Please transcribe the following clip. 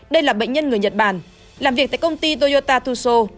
đây là bệnh nhân người nhật bản làm việc tại công ty toyota tuso